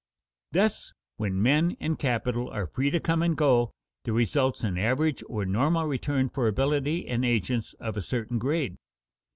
Thus, when men and capital are free to come and go, there results an average or normal return for ability and agents of a certain grade.